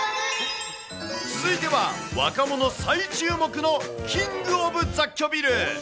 続いては、若者再注目のキング・オブ・雑居ビル。